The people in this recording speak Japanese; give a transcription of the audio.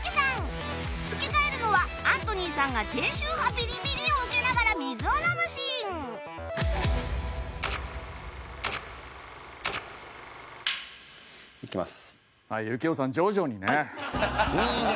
吹き替えるのはアントニーさんが低周波ビリビリを受けながら水を飲むシーンいきます。